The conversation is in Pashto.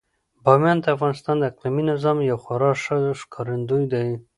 بامیان د افغانستان د اقلیمي نظام یو خورا ښه ښکارندوی دی.